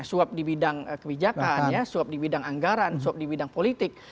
suap di bidang kebijakan suap di bidang anggaran suap di bidang politik